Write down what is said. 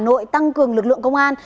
hà nội tăng cường lực lượng công an